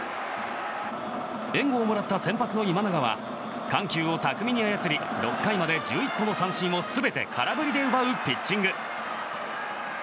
援護をもらった先発の今永は緩急を巧みに操り６回まで１４個の三振を全て空振りで奪うピッチング。